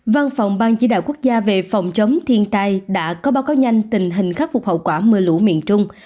văn phòng ban chỉ đạo quốc gia về phòng chống thiên tai đã có báo cáo nhanh tình hình khắc phục hậu quả mưa lũ miền trung